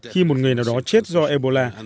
khi một người nào đó chết do ebola